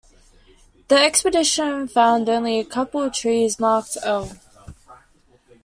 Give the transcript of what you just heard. This expedition found only a couple of trees marked "L".